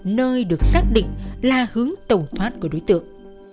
nơi được xác định là hướng tẩu thoát của đối tượng